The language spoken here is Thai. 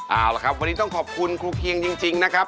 เอาละครับวันนี้ต้องขอบคุณครูเพียงจริงนะครับ